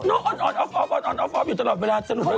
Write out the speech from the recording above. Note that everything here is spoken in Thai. น้องออนออนออฟอยู่ตลอดเวลาเสริฟ